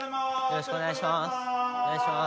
よろしくお願いします。